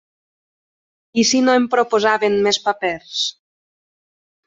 I si no em proposaven més papers?